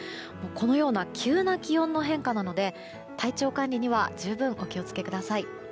このような急な気温の変化なので体調管理には十分お気を付けください。